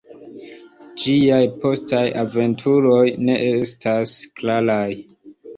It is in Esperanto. Ĝiaj postaj aventuroj ne estas klaraj.